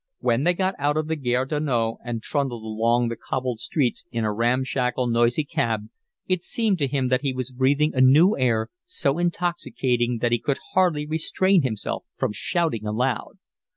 When they got out of the Gare du Nord, and trundled along the cobbled streets in a ramshackle, noisy cab, it seemed to him that he was breathing a new air so intoxicating that he could hardly restrain himself from shouting aloud.